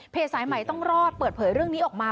สายใหม่ต้องรอดเปิดเผยเรื่องนี้ออกมา